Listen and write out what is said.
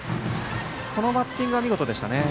このバッティングは見事でしたね。